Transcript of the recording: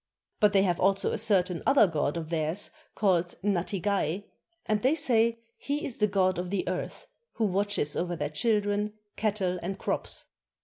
But they have also a certain other god of theirs, called Natigay, and they say he is the god of the earth, who watches over their children, cattle, and crops.